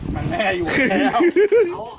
มันแม่อยู่แค่เอา